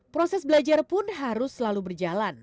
proses belajar pun harus selalu berjalan